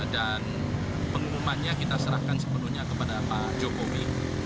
dan pengumumannya kita serahkan sepenuhnya kepada pak jokowi